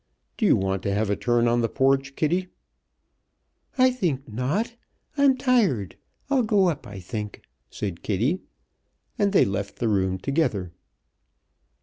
"Do you want to have a turn on the porch, Kitty?" "I think not. I'm tired. I'll go up, I think," said Kitty, and they left the room together.